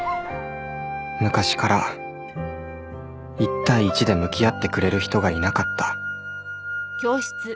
昔から一対一で向き合ってくれる人がいなかった